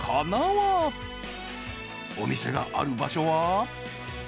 ［お店がある場所は］